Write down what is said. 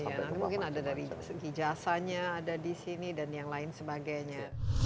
iya nanti mungkin ada dari segi jasanya ada di sini dan yang lain sebagainya